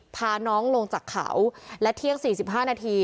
พาน้องลงจากเขาและเที่ยงสี่สิบห้านาที